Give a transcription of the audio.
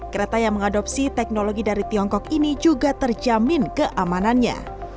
kereta yang mengadopsi teknologi dari tiongkok ini juga terjamin keamanannya